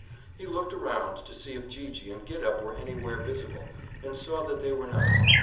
He looked around to see if Gee gee and Gid up were anywhere visible and saw that they were not.